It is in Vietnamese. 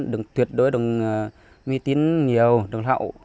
đừng tuyệt đối đừng mi tín nhiều đừng lạc hậu